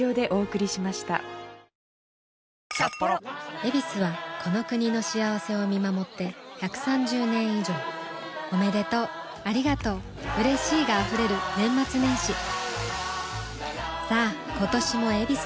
「ヱビス」はこの国の幸せを見守って１３０年以上おめでとうありがとううれしいが溢れる年末年始さあ今年も「ヱビス」で